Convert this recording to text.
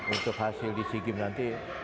untuk hasil di sikim nanti